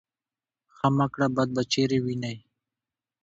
ـ ښه مه کړه بد به چېرې وينې.